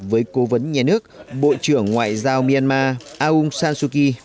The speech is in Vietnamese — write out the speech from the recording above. với cố vấn nhà nước bộ trưởng ngoại giao myanmar aung san suu kyi